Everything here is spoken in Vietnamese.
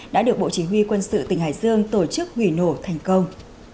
đã được bộ chỉ huy quân sự tỉnh hải dương tổ chức hủy nổ thành công